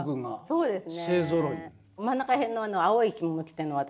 そうですね。